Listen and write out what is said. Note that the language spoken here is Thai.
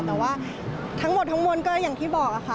แต่ว่าทั้งหมดทั้งมวลก็อย่างที่บอกค่ะ